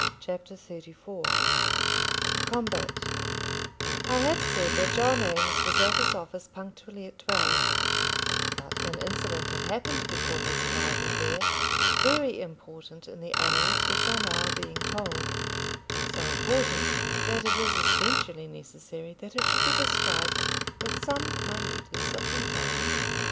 CHAPTER XXXIV. THE COMBAT. [ILLUSTRATION: (untitled)] I have said that John Eames was at his office punctually at twelve; but an incident had happened before his arrival there very important in the annals which are now being told, so important that it is essentially necessary that it should be described with some minuteness of detail.